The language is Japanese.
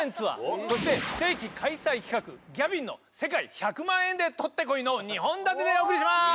そして不定期開催企画「ギャビンの世界１００万円で撮ってこい！」の２本立てでお送りします！